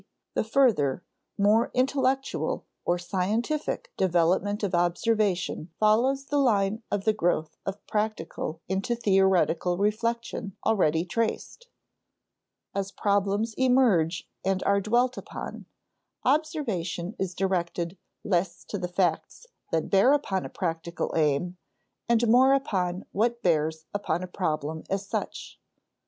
The further, more intellectual or scientific, development of observation follows the line of the growth of practical into theoretical reflection already traced (ante, Chapter Ten). As problems emerge and are dwelt upon, observation is directed less to the facts that bear upon a practical aim and more upon what bears upon a problem as such.